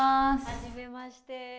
はじめまして。